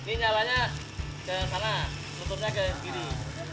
ini nyalanya ke sana luturnya ke kiri